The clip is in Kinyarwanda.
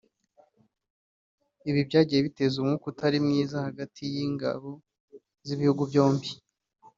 Ibi byagiye biteza umwuka utari mwiza hagati y’ingabo z’ibihugu byombi